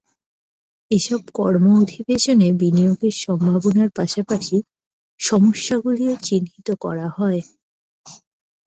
এসব কর্ম অধিবেশনে বিনিয়োগের সম্ভাবনার পাশাপাশি সমস্যাগুলোও চিহ্নিত করা হয়।